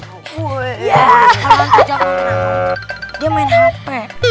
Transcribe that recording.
kalau hantu jaman kenapa